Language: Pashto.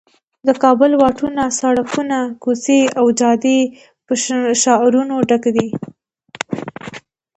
د کابل واټونه، سړکونه، کوڅې او جادې په شعارونو ډک دي.